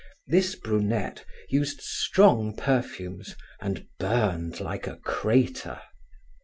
This brunette used strong perfumes and burned like a crater.